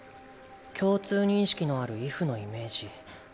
共通認識のある畏怖のイメージ。